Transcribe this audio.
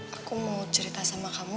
aku mau cerita sama kamu